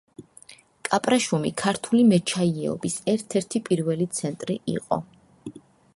კაპრეშუმი ქართული მეჩაიეობის ერთ-ერთი პირველი ცენტრი იყო.